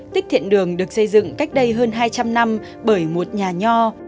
tích thiện đường được xây dựng cách đây hơn hai trăm linh năm bởi một nhà nho